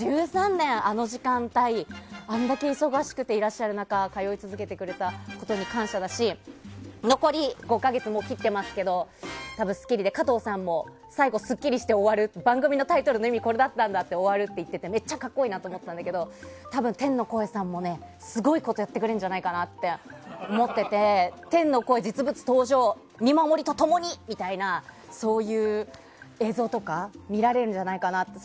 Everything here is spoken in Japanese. １３年、あの時間帯あれだけ忙しくていらっしゃる中通い続けてくれたことに感謝だし残り５か月を切ってますけど「スッキリ」で加藤さんもすっきりして終わる番組のタイトルの意味はこれだったんだって終わるって言っててめっちゃ格好いいなって思ったんだけど多分、天の声さんもすごいことをやってくれるんじゃないかと思っていて天の声、実物登場見守りと共にみたいな映像とか見られるんじゃないかなって。